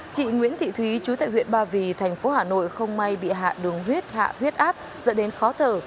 chị nguyễn thị thúy chú tại huyện ba vì thành phố hà nội không may bị hạ đường huyết hạ huyết áp dẫn đến khó thở